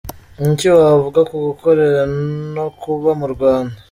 Ni iki wavuga ku gukorera no kuba mu Rwanda?.